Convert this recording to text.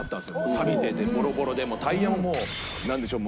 さびててボロボロでタイヤももうなんでしょう